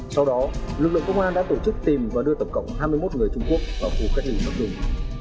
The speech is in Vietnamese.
sau đó lực lượng công an đã tổ chức tìm và đưa tổng cộng hai mươi một người trung quốc vào khu cách ly bắc đùng